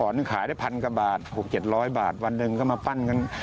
อ๋อนึกขายได้พันกว่าบาทหกเจ็ดร้อยบาทวันหนึ่งก็มาปั้นกัน